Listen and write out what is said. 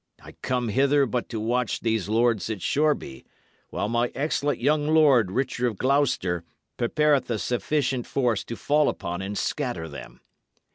I came hither but to watch these lords at Shoreby, while mine excellent young lord, Richard of Gloucester, prepareth a sufficient force to fall upon and scatter them.